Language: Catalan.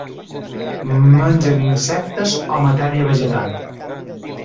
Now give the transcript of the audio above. Mengen insectes o matèria vegetal.